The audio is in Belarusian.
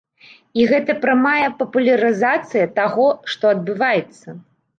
І гэта прамая папулярызацыя таго, што адбываецца.